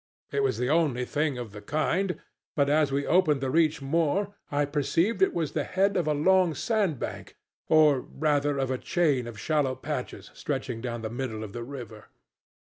It was the only thing of the kind; but as we opened the reach more, I perceived it was the head of a long sandbank, or rather of a chain of shallow patches stretching down the middle of the river.